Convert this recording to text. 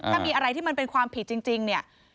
ถ้ามีอะไรที่มันเป็นความผิดจริงเนี่ย